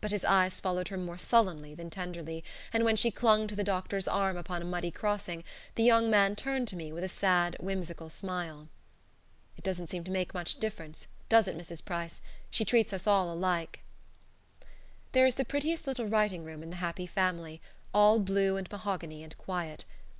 But his eyes followed her more sullenly than tenderly, and when she clung to the doctor's arm upon a muddy crossing the young man turned to me with a sad, whimsical smile. "It doesn't seem to make much difference does it, Mrs. Price? She treats us all alike." There is the prettiest little writing room in "The Happy Family," all blue and mahogany and quiet.